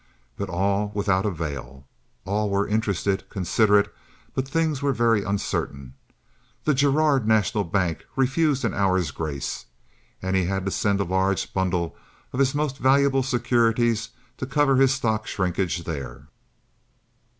But all without avail. All were interested, considerate; but things were very uncertain. The Girard National Bank refused an hour's grace, and he had to send a large bundle of his most valuable securities to cover his stock shrinkage there.